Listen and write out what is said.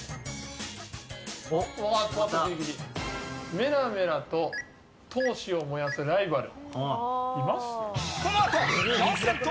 メラメラと闘志を燃やすライバル。